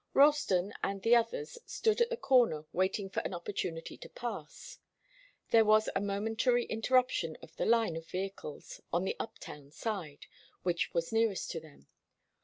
Ralston and the others stood at the corner waiting for an opportunity to pass. There was a momentary interruption of the line of vehicles on the up town side, which was nearest to them.